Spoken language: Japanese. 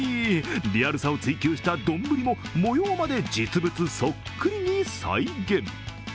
リアルさを追求した丼も模様まで実物そっくりに再現。